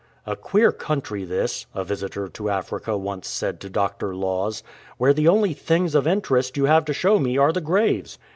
" A queer country this," a visitor to Africa once said to Dr. Laws, "where the only things of interest you have to show me are the graves.""